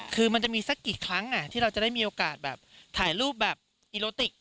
คือมันจะมีสักกี่ครั้งที่เราจะได้มีโอกาสแบบถ่ายรูปแบบอิโลติก